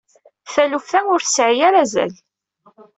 Taluft-a ur tesɛi ara azal.